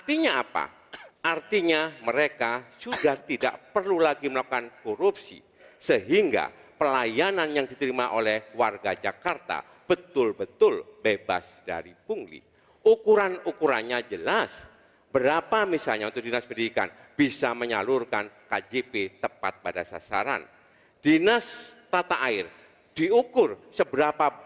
untuk mencapai tunjangan kinerja daerah maksimal artinya apa artinya mereka sudah tidak perlu lagi melakukan korupsi sehingga pelayanan yang diterima oleh warga jakarta betul betul bebas dari pungguli ukuran ukurannya jelas berapa misalnya untuk dinas pendidikan bisa menyalurkan kjp tepat pada sasaran dinas tata air diukur dan menyalurkan kjp yang berat dan menelusur dalam ketinggalan kinerja maksimal dengan cara seperti ini